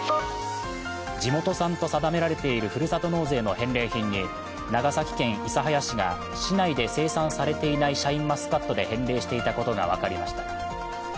地元産と定められているふるさと納税の返礼品に、長崎県諫早市が市内で生産されていないシャインマスカットで返礼していたことが分かりました。